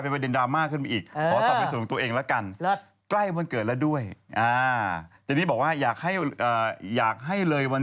เป็นประเด็นดราม่าขึ้นไปอีกขอตอบในส่วนของตัวเองแล้วกัน